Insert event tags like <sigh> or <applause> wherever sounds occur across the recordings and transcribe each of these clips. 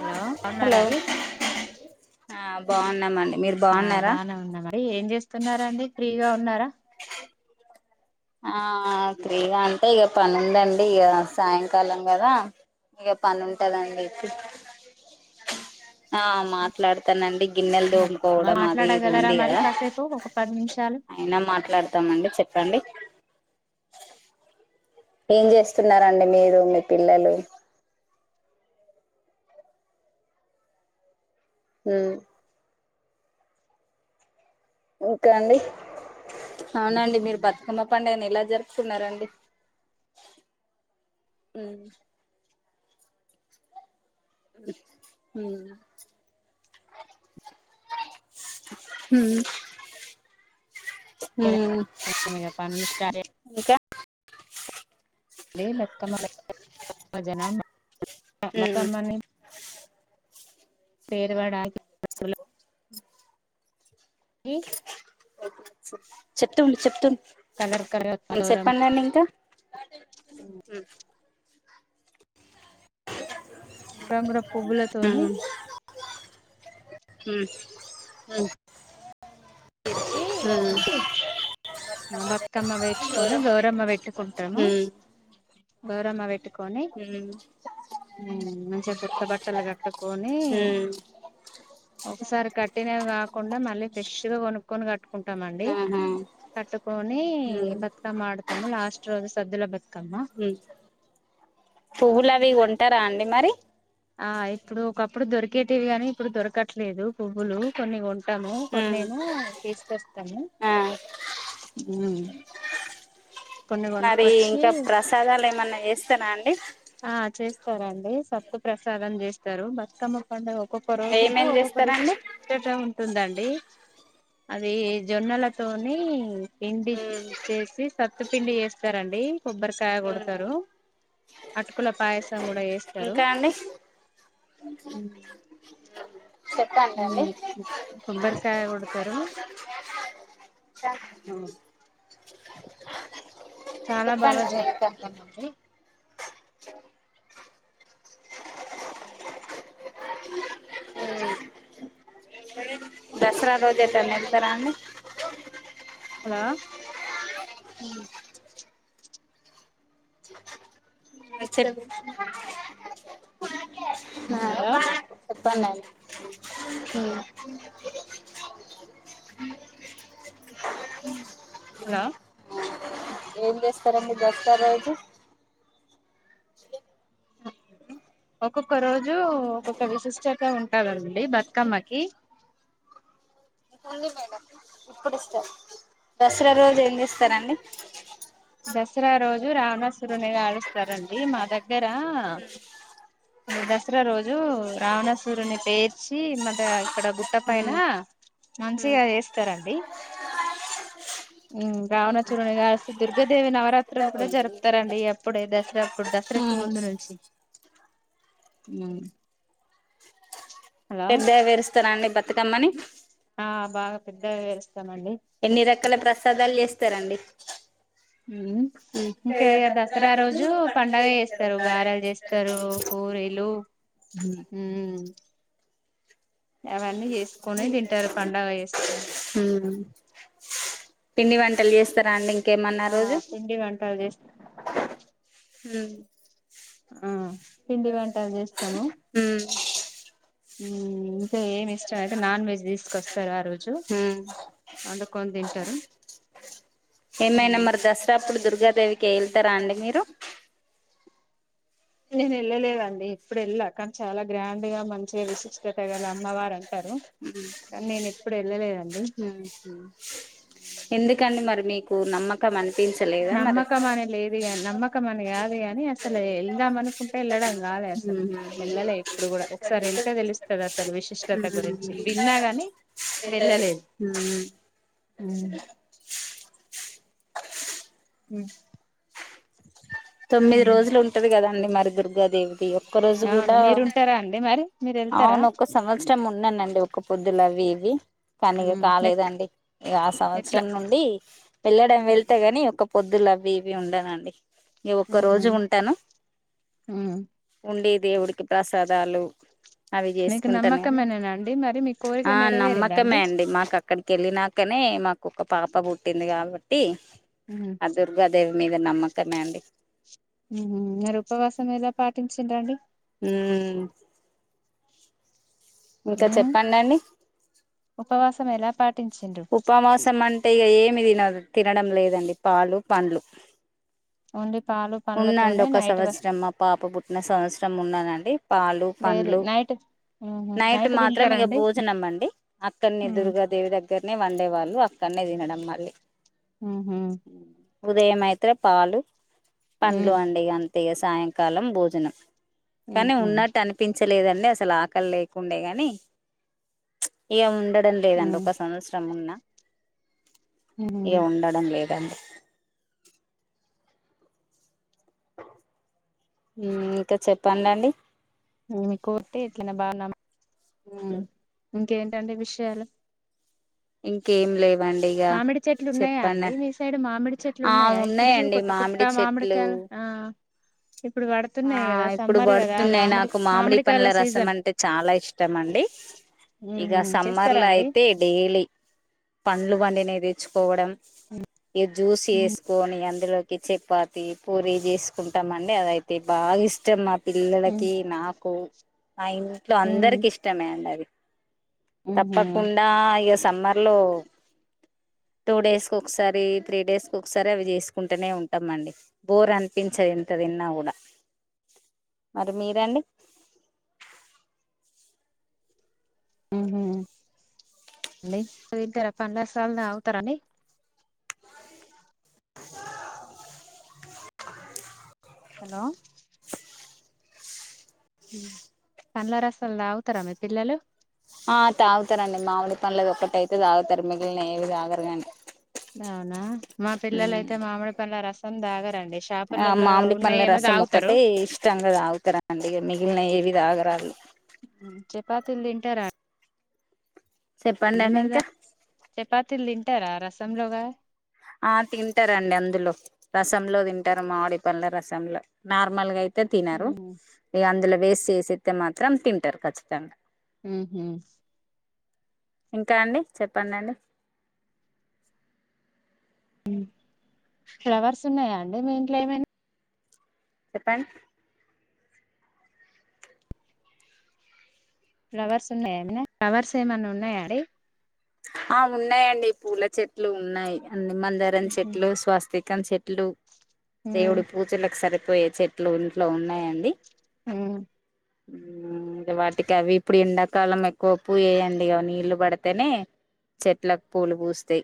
Hello బాగున్నారండి బావునమండి ఆహ్ బానే ఉన్నామండి ఏం చేస్తున్నారా అండి ఫ్రీగా ఉన్నార ఆ అహ్ ఫ్రీగా అంటే ఇగ పని ఉందండి ఇగ సాయంకాలం కదా ఇక పని ఉంటదండి అహ్ మాట్లాడుతానండి. గిన్నెలు మ- తోముకోవడం అది ఇది మాట్లాడగలరా ఉంది మరి కదా కాసేపు ఒక పది నిమిషాలు ఐన మాట్లాడుతామండి చె. రండీ ఏం చేస్తున్నారండి మీరు మీ పిల్లలు ఉమ్ ఇంక అండి అవున అండి మీర్ అమ్మ పండుగని ఎలా జరుపుకున్నరండి ఉమ్ ఉమ్ ఉమ్మ్ పనులు స్టార్ట్ <inaudible> ఇంకా అదే <unintelligible> భజనా ఉమ్ మకమ్ అని పేరువాడా అ <inaudible> డీ చెప్తుంద్ చెప్తుంద్ కలర్ కలర్ ఉ గౌరమ్మ చెప్పండి ఇంకా ఉ రంగుల పువ్వులతోని హ్మ్ హ్మ్ హ్మ్ బతుకమ్మ వేర్చుకొని గౌరమ్మ పెట్టుకుంటారూ హ్మ్ గ అమ్మ వేటు కొని హ్మ్ హ్మ్ ఉ మంచిగ కొత్త బట్టలు కట్టుకొని హ్మ్ ఒకసారి కట్టినయి కాకుండా మళ్ళీ ఫ్రెష్ గా కొను కొండగట్టు కట్టుకుంటామండి ఆహా కట్టుకొని హ్మ్ బతుకమ్మ ఆడతాము లాస్ట్ రోజు సద్దుల బతు హ్మ్ పువ్వు లవి ఉ తింటారా అండి మరి ఆ ఇప్పుడు ఒకప్పుడు దొరికేటివి గనీ ఇప్పుడు దొరకట్లేదు పువ్వులు కొన్ని కొన్ని అబ్ హ్మ్ కొన్నెమో తీసుకొస్తాము ఆ హ్మ్ మరి ఇంకా ప్రసాదాలు ఏమన్నా ఎస్ వస్తేర అండి ఆ చేస్తరండి సత్తు ప్రసాదం చేస్తారు బతుకమ్మ పండగ ఒక్కొక్క రోజుకి ఏమేమి ఒక్కొక్క చేస్తారండి విశిష్టత ఉంటుందండి అది జొన్నలతోని తిండి హ్మ్ చేసి త మత్త పిండి చేస్తారండి కొబ్బరికాయ హ్మ్ కొడతరు అటుకుల పయసం కూ ఇంకా అండి చెప్పండి ఉ అండి కొబ్బరికాయ కొడతారు ఉ ఇంకా చాలా చెప్పండి బాగా అండి ఇంకా జరుపుకుంటారు అండి <inaudible> దసరా రోజైతనే వెళ్తారా అండి అలో చెప్ చెప్పు అ చెప్పండి ఉ <inaudible> అలో ఏం చేస్తారండి దసరా రోజు ఒక్కొక్క రోజు ఒక్కొక్క విశిష్టంగా ఉంటదండి బతుకమ్మకి ఉంది మేడం ఇప్పుడు ఇస్తా దసరా రోజు ఏం చేస్తారండి దసరా రోజు రావణాసురుని కాలుస్తారండి, మా దగ్గర, దసరా రోజు రావణసురుని పేర్చి మాద ఇక్కడ గుట్ట పైన ఉమ్ ఉమ్ మంచిగా చేస్తారండి. రావణసురుని కలిసి దుర్గాదేవి నవరాత్రులు కూడా జరుపుతారండి. అప్పుడే దసరా అప్పుడు దసరాకి ఉమ్ ముందు నుంచి హలో పెద్దగా పేరుస్తారా అండి బతుకమ్మని బాగా పెద్దగా పేరుస్ ఎన్ని రకాల ప్రసాదాలు చేస్తారండి ఉ ఉమ్ ఇంకా దసరా రోజు పండగ చేస్తారు గారాలు చేస్తారు పూరీలు మ్ అవన్నీ చేసుకొని తింటారు పండగ చేసుకని ఉమ్ పిండి వంటలు చేస్తారా అండి ఇంకేమన్నా ఆ రోజు పిండి వంటలు చేస్త ఉమ్ ఆ పిండి వంటలు చేస్తాము ఉమ్ ఉమ్ ఏమి ఇష్టం అయితే నాన్ వెజ్ తీసుకొస్తారు ఆ రోజు ఉమ్ వండుకొని తింటారు. ఏమైనా మరి దసరా అప్పుడు దుర్గాదేవికి వెళ్తారా అండి మీరు నేను వెళ్ళలేదండి ఎప్పుడు వెళ్ళా కానీ చాలా గ్రాండ్ గా మంచిగా విశిష్టత గల అమ్మవారంట ఉమ్ కాని నేను ఎ ఎప్పుడు ఎల్లాలె ఎందుకండి మరి మీకు నమ్మకం అనిపించలేదా మరి నమ్మకం అనేది లేదు కాని నమ్మకం అని కాదు గాని అస లే వెళ్దాం మనకుంటే ఎల్లడ రాలే అసలు వెళ్ళలే ఎప్పుడు కూడా ఒకసారి వెళ్తే తెలుస్తది అసలు విశిష్టత గురించి విన్నాగాని వెళ్ళలేదు. ఉమ్ మ్ తొమ్మిది రోజులు ఉంటది కదండి మరి దుర్గాదేవిది ఒక్క రోజు అవును కూడా మీరుంటారా అండి మరి మీరు వెళ్తారా అవును ఒక్క సంవత్సరం ఉన్నానండి ఒక్కపొద్దులు అవి వివి పనీగ నెట్ కాలేదండి ఇక ఆ ఎట్లా సంవత్సరం నుండి వెళ్లడం వెళ్త గాని ఒక్కపొద్దుల అవ్ మేబీ ఉండనండి ఒక్క రోజు ఉంటాను. ఉండి దేవుడికి ప్రసాదాలు అవి మీకు చేసుకుంటాను కానీ, నమ్మకమేనేనా అండి మరి మీ కోరిక ఆ నెరవేరిందా నమ్మకమే అండి మాకు అక్కడికి వెళ్ళినాకనే మా ఒక్క పాప పుట్టింది కాబట్టి ఆ దుర్గాదేవి మీద నమ్మకమే అండి ఊహు మరి ఉపవాసం ఎలా పాటించిడ్లు అండి. ఊమ్ ఇంకా చెప్పండి అండి ఉపవాసం ఎలా పా ఉపవాసం అంటే ఇగ ఏం తినదు తినడం లేదండి పాలు పండ్లు. ఓన్లీ పాలు ఉన్నాండి పండ్లతోనే ఒక నైట్ సంవత్సరం మా పాప పుట్టిన సంవత్సరం ఉన్నానండి. పాలు డైలీ పండ్లు నైట్ ఉహు నైట్ మాత్రం ఇక తింటారండి భోజనం అండి అక్కడ్నే ఉమ్ దుర్గాదేవి దగ్గరనే వండేవాళ్ళు ఇగ అక్కడ్నే తినడం మళ్ళీ ఊహు ఉదయం మైత్రే పాలు. పండ్లు ఉమ్ అండి అం తె సాయంకాలం భోజనం. కానీ ఉహు ఉన్నట్టు అనిపించలేదండి అసలు ఆకలి లే ఉండే గానీ ఇగ ఉండ డం లేదండి ఉమ్ ఒక సంవత్సరం ఉన్న. ఉహు ఇగ ఉండడం లేదండి. హ్మ్ ఇంకా చెప్పండండి మీ కోటి తిన బాగునం ఇంకేంటండి విషయాలు ఇంకేం లేవు మామిడి చెట్లు ఉన్నాయా అండి మీ సైడ్ మామిడి చెట్లు ఆ ఉన్నాయా ఇప్పుడు ఉన్నాయండి కొత్త కొత్త మామిడి చెట్లు మామిడికాయలు ఆ ఇప్పుడు ఆ పడుతున్నాయి కదా ఇప్పుడు సమ్మర్ కదా పడుతున్నై మామిడి నాకు మామిడి మామిడికాయల పండ్ల రసం సీజన్ అంటే చాలా ఇష్టం అండి ఇగ ఉహు సమ్మర్ చేస్తారా లో అండి అయితే డెలీ పండ్లు బండినై తెచ్చుకోవడం ఈ జ్యూస్ ఉహు వేసుకొని అందులో చపాతి పూరి చేసుకుంటాం అండి అదయి తే బాగా ఇష్టమా నాక్ పిల్లలకి నాకు మా ఇంట్లో ఉహు అందరికి ఇష్టమే అండి అవి ఉహు తప్పకుండా ఎస్ సమ్మర్ లో టూ డేస్ ఒకసారి త్రీ డేస్ కు ఒకసారి అవి చేసుకుంటూనే ఉంటామండి బోర్ అనిపించది ఎంత తిన్న కూడా మరి మీరండి ఉహు అండి మీ ఇంటికాడ పండ్ల రసాలు తాగుతారా అండి హలో హ్మ్ పండ్ల రసలు తగుతారా మీ పిల్లలు ఆ తాగుతారండి మామిడి పండ్లాది ఒక్కటైయితే తాగుతారు మిగిలినవి ఏవి తాగరు గని అవునా మా పిల్లల అయితే మామిడి పల రస్ అందా <unintelligible> ఆ మామిడి పడ్ల రసం ఒక్కటే ఇష్టం కదా ఆగుతారండి మిగిలిన ఏవి తాగరాళ్లు చపాతీలు తింటారా అం చెప్పండి అళ్ళ అండి మరిదా ఇంకా చపాతిల్ తీమ్ పెట్టార రసంలోగా ఆ తింటారండి అందులో రసంలో తింటారు మామిడి పళ్ల రసంలో నార్మల్గా అయితే తినారు ఇంకా అందులో వేస్ట్ చేసితే మాత్రం తింటారు ఖచ్చితంగా హ్మ్ ఇంకా అండి చెప్పడి అండి ఫ్లవర్స్ ఉన్నాయా అండి మీ ఇంట్లో ఏమైనా చెప్పండి ఫ్లవర్స్ ఉన్నాయా ఏమనా ఫ్లవర్స్ ఏమన్నా ఉన్నాయా అండి ఆ ఉన్నాయండి పూల చెట్లు ఉన్నాయి హ్మ్ మందారం ఉహు. చెట్లు స్వస్తి క్కం చెట్లు ఉమ్ దేవుడి పూజల సరక్ పోయే చెట్లు ఇంట్లో ఉన్నాయండి ఆ ఉమ్ ఇంకా వాటికి అవి ఇప్పుడు ఎండాకాలం ఎక్కువ పూ వేయండి ఇంకా నీళ్లు పడితేనే చెట్లకు పూలు పూస్తాయి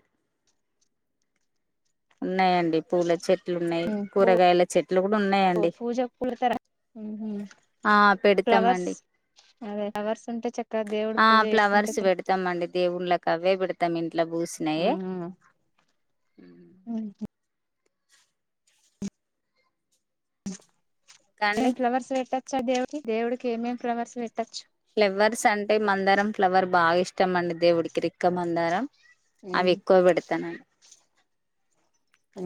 ఉన్నాయంండి పూల చెట్ చెట్లు ఉన్నాయి ఉమ్. కూరగాయల చెట్లు కూడా ఓ ఉన్నాయంండి పూజకు పూడతారా ఉహు. ఆ పెడతామ ఫ్లవర్స్ అండి అదే ఫ్లవర్స్ ఉంటే చక్కగా దేవుడు ఆ పూజ చేసుకుంటే ఫ్లవర్స్ తృప్తి పెడతాంమండి దేవుళ్ళ కవ్వే పేడతామం ఇన్ అట్లా పూసినాయ ఉమ్ ఆ ఇంకా అ ఏం అండి ఫ్లవర్స్ వేట్ వచ్చ దేడికి దేవుడికి ఏమమి ఫ్లర్స్ ఫ్లవర్స్ అంటే మందర ఫ్లవర్ బాగా ఇష్ ష్టమండి దేవుడికి రిక్కమందారం అవి ఎక్కువ పెడతానుని అ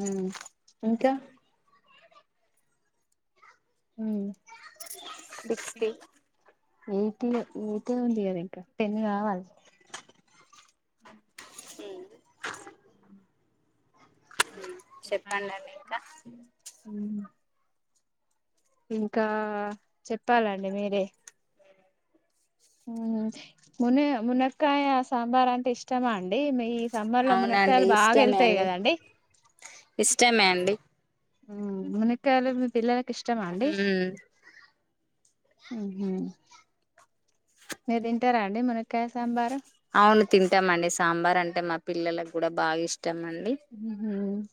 ఉ ఇంకా హమ్ సిక్స్టీ ఎయిటి ఎయిటి ఏ ఉంది ఇంకా టెన్ కావలె ఉమ్ చెప్పండిఅండి ఇంకా ఇంకా చెప్పాలండి మీరే అవునా మున మునక్కాయ సాంబార్ అంటే ఇష్టమా అండి మీ సమ్మర్ లో అవునండి మునక్కయలు బాగా ఇష్టమే వెళ్తాయి అండి కదండి ఇష్టమే అండి ఉమ్ మునక్కాయలు మీ పిల్లల ఇష్టమాండి ఉమ్ ఉమ్ హమ్ మీరు తింటార అండి మునక్కాయ సాంబారు అవును తింటామండి సాంబార్ అంటే మా పిల్లలకు కూడా బాగా ఇష్ ష్టమండి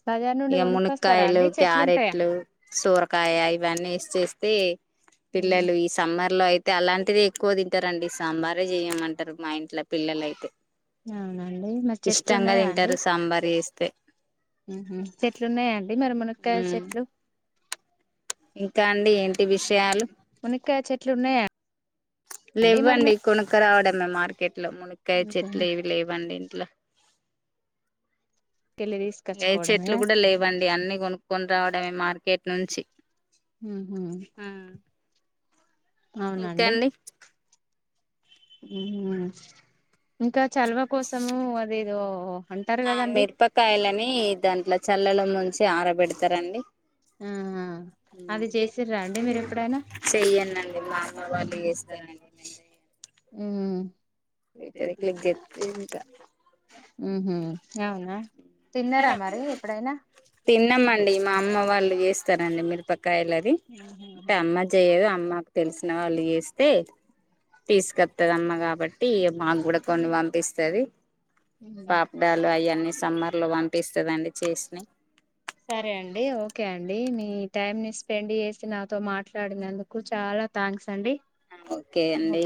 బజార్ నుండి ఇక కొనుక్కొస్తారా మునక్కయలు అండి చెట్లుంటాయా క్యారెట్లు సోరకాయ ఇవన్నీ ఎసి చేస్ తే ఉమ్ పిల్లలు ఈ సమ్మర్ లో అయితే అలాంటిది ఎక్కువ తింటారండి సాంబారే చేయమంటారు మా ఇంట్లో పిల్లలు అయితే అవునండి మా చెట్లు ఉన్నాయా అండి తె ఉహు చెట్లున్నాయం మరి మునక్కాయ ఉమ్ చేట్లు ఇంకా అండి ఏంటి విషయాలు మునక్కాయ చెట్లు ఉన్నాయా అండి మరి మీ లేవ్వండి కొనుక్కరావడ మార్కెట్ ఇంట్లొమునక్కాయ చెట్లు ఏవి లేవండి ఇంట్లో కెళ్ళి ఏ తీసుకచ్చుకోవడమే చెట్లు కూడా లేవండి అన్నీ కొను కొని రావడమే మార్కెట్ నుంచి ఉహు ఇంకఅండి ఉమ్ హు ఇంకా చలవ కోసము అదే యో హ్ ఆ మిరపకాయలని దాంట్లో చల్లలు ముంచి ఆరబెడతారండి. ఆ అది చేసిర్ర అండి మీరు ఎప్పుడైనా చెయ్యనండి మా అమ్మ వాళ్ళు చేస్తారండి నేను చెయ్యను మ్ ఊ పోయితది మ్మ్ క్లిక్ చెత్తే ఇంకా ఉహు అవునా తిన్నారా మరి ఎప్పుడైనా తిన్నామండి మా అమ్మ వాళ్ళు చేస్తారండి మీరు పక్ బకాయలది అంటే అమ్మ చెయ్యదు అమ్మ తెలుస్ నాలుగేస్తే తీసుకత్తదమ్మ కాబట్టి మాకు కూడా కొన్ని పంపిస్ ఇస్తది పాప్ డాలు అయన్నీ సంబ లో పంపిస్తదండి చేసినయి సరే అండి ఓకే అండి ని ఈ టైమ్ ని స్పెండ్ చేసి నాతో మాట్లాడినందుకు చాలా థాంక్స్ అండి. ఆ ఓకే అండి